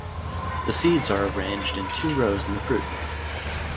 The seeds are arranged in two rows in the fruit.